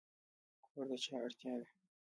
کور د چا اړتیا ده؟